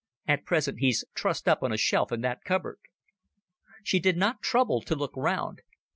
At present he's trussed up on a shelf in that cupboard." She did not trouble to look round.